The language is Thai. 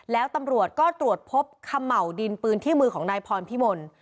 แล้วตำรวจก็ตรวจพบเขม่าวดินปืนที่มือของนายพรพิมล